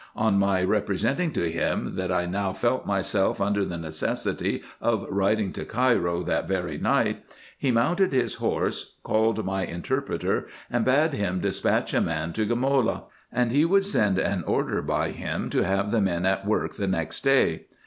On my representing to him, that I now felt myself under the necessity of writing to Cairo that very night, he mounted his horse, called my interpreter, and bade him despatch a man to Gamola, and he would send an order by him, to have the men at work the next day.